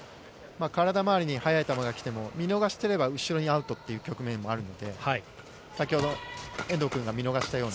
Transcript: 体周りに速い球が来ても、見逃してれば後ろにアウトという局面もあるので、先ほど、遠藤君が見逃したように。